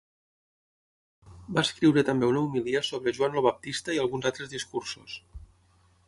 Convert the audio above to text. Va escriure també una homilia sobre Joan el Baptista i alguns altres discursos.